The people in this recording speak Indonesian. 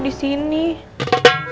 ya tampar rup part alertin